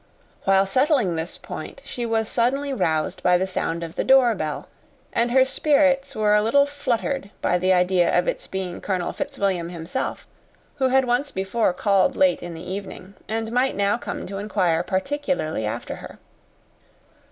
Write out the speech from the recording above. While settling this point, she was suddenly roused by the sound of the door bell; and her spirits were a little fluttered by the idea of its being Colonel Fitzwilliam himself, who had once before called late in the evening, and might now come to inquire particularly after her.